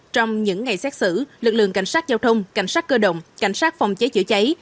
trong những ngày xét xử lực lượng cảnh sát giao thông cảnh sát cơ động cảnh sát phòng cháy chữa cháy